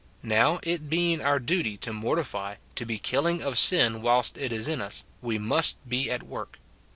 Now, it being our duty to mortify, to be killing of sin whilst it is in us, we must be at work.